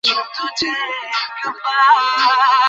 এবং তারা আমেরিকার কাউন্সিল অব ফ্যাশন ডিজাইনার এর সদস্য।